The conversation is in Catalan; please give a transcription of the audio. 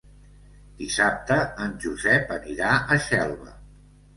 Dissabte en Josep anirà a Xelva.